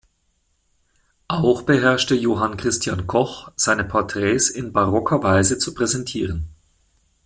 Auch beherrschte Johann Christian Koch, seine Porträts in barocker Weise zu präsentieren.